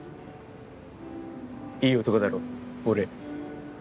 いい男だろ俺。